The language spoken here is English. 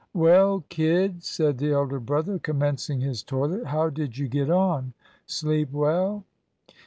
"Well, kid," said the elder brother, commencing his toilet, "how did you get on? Sleep well?"